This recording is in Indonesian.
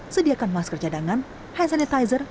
sediakan masker cadangan hand sanitizer